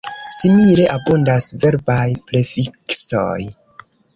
Simile, abundas verbaj prefiksoj.